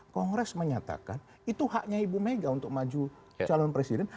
kongres menyatakan itu haknya ibu mega untuk maju calon presiden